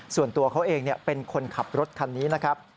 ส่วนตัวเขาเองเป็นคนขับรถคันนี้นะครับ